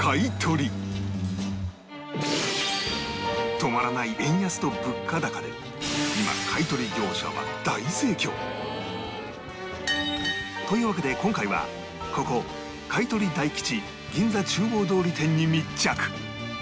止まらない円安と物価高で今買取業者は大盛況というわけで今回はここ買取大吉銀座中央通り店に密着